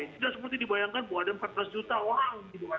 sudah seperti dibayangkan bahwa ada empat belas juta orang di luar sana kan